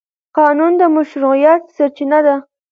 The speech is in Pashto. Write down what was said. قانون د مشروعیت سرچینه ده.